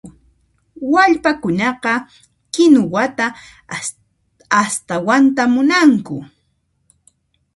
Wallpakunaqa kinuwata astawanta munanku.